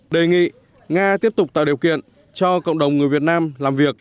đề nghị nga tiếp tục tạo điều kiện cho cộng đồng người việt nam làm việc